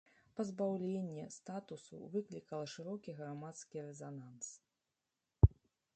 Пазбаўленне статусу выклікала шырокі грамадскі рэзананс.